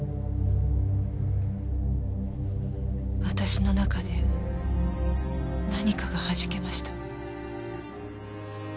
私の中で何かが弾けました。